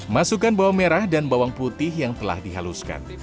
masukkan bawang merah dan bawang putih yang telah dihaluskan